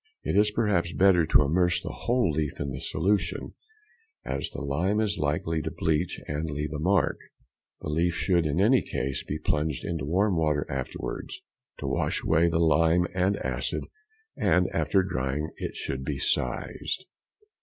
It is perhaps better to immerse the whole leaf in the solution, as the lime is likely to bleach and leave a mark; the leaf should in any |164| case be plunged in warm water afterwards, to wash away the lime and acid, and, after drying, it should be sized.